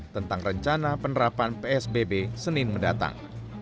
tentang rencana penerapan psbb senin mendatang